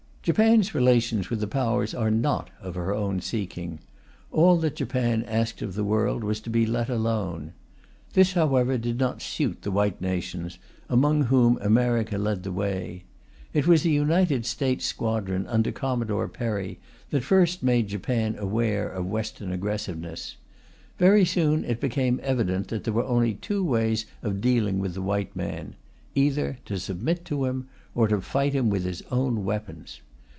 Japan's relations with the Powers are not of her own seeking; all that Japan asked of the world was to be let alone. This, however, did not suit the white nations, among whom America led the way. It was a United States squadron under Commodore Perry that first made Japan aware of Western aggressiveness. Very soon it became evident that there were only two ways of dealing with the white man, either to submit to him, or to fight him with his own weapons.